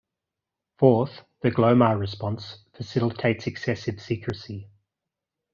Fourth, the Glomar response facilitates excessive secrecy.